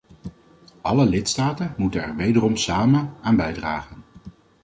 Alle lidstaten moeten er - wederom samen - aan bijdragen.